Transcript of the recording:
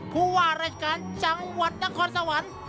ผู้ว่ารายการจังหวัดนครสวรรค์